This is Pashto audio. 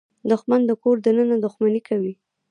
دښمن د کور دننه دښمني کوي